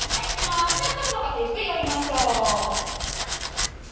スタッフの方ゆっくり降りましょう。